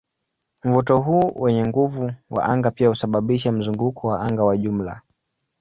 Mvuto huu wenye nguvu wa anga pia husababisha mzunguko wa anga wa jumla.